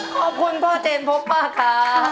ขอบคุณพ่อเจนพบป้าค่ะ